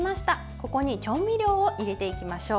ここに調味料を入れていきましょう。